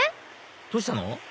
どうしたの？